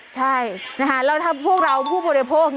ใช่แล้วถ้าพวกเราผู้บริโภค